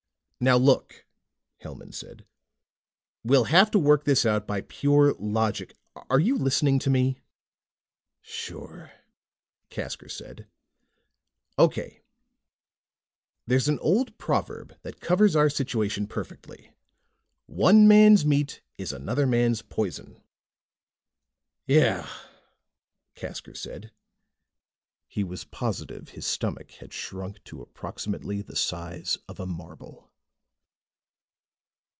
"Now look," Hellman said, "we'll have to work this out by pure logic Are you listening to me?" "Sure," Casker said. "Okay. There's an old proverb that covers our situation perfectly: 'One man's meat is another man's poison.'" "Yeah," Casker said. He was positive his stomach had shrunk to approximately the size of a marble.